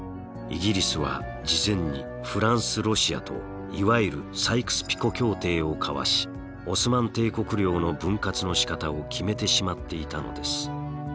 イギリスは事前にフランスロシアといわゆるサイクス・ピコ協定を交わしオスマン帝国領の分割のしかたを決めてしまっていたのです。